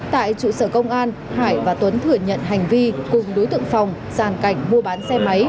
tại trụ sở công an hải và tuấn thừa nhận hành vi cùng đối tượng phòng giàn cảnh mua bán xe máy